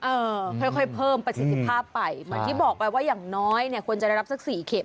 เออค่อยเพิ่มประสิทธิภาพไปเหมือนที่บอกไปว่าอย่างน้อยเนี่ยควรจะได้รับสักสี่เข็ม